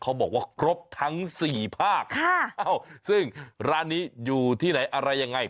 เขาบอกว่าครบทั้งสี่ภาคซึ่งร้านนี้อยู่ที่ไหนอะไรยังไง